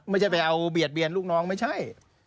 ไม่ใช่ไปเอาเบียดเบียนลูกน้องไม่ใช่